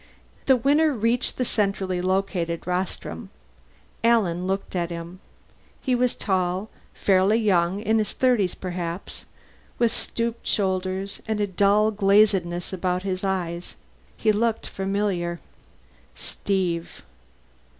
The winner reached the centrally located rostrum. Alan looked at him. He was tall, fairly young in his thirties, perhaps with stooped shoulders and a dull glazedness about his eyes. He looked familiar. Steve.